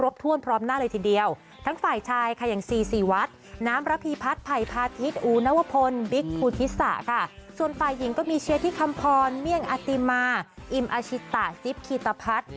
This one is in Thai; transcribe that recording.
ส่วนสายหญิงก็มีเชษฐีคัมภรเมี่ยงอทิมาอิมาชิตตะซิบกิตาพัด